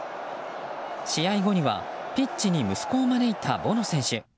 試合後にはピッチに息子を招いたボノ選手。